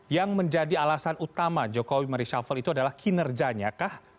yang menjadi alasan utama jokowi mereshuffle itu adalah kinerjanya kah